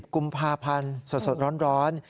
กุมภาพันธ์สดร้อน